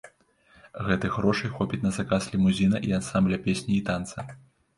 Гэтых грошай хопіць на заказ лімузіна і ансамбля песні і танца.